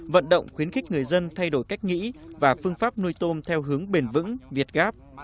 vận động khuyến khích người dân thay đổi cách nghĩ và phương pháp nuôi tôm theo hướng bền vững việt gáp